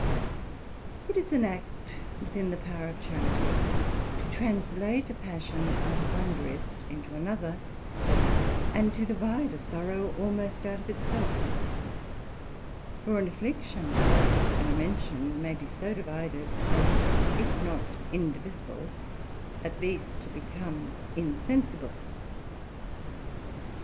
It is an act within the power of charity, to translate a passion out of one brest into another, and to divide a sorrow almost out of it self; for an affliction, like a dimension, may be so divided, as if not indivisible, at least to become insensible.